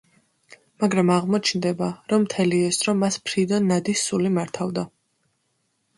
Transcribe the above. მაგრამ აღმოჩნდება, რომ მთელი ეს დრო მას ფრიდონ ნადის სული მართავდა.